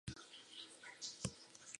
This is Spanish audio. Juan Landázuri Ricketts.